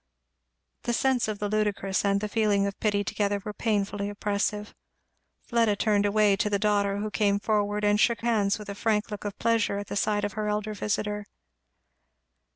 The sense of the ludicrous and the feeling of pity together were painfully oppressive. Fleda turned away to the daughter who came forward and shook hands with a frank look of pleasure at the sight of her elder visitor.